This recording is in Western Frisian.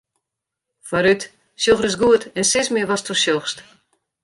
Foarút, sjoch ris goed en sis my watsto sjochst.